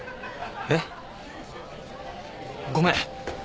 えっ？ごめん。